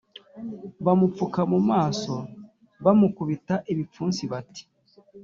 bamupfuka mu maso bamukubita ibipfunsi bati